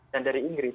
dan dari inggris